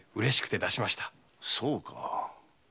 そうか。